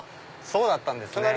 そうだったんですね。